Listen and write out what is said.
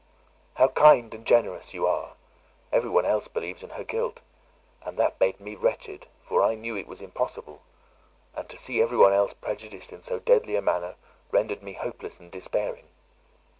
"How kind and generous you are! every one else believes in her guilt, and that made me wretched, for I knew that it was impossible: and to see every one else prejudiced in so deadly a manner rendered me hopeless and despairing."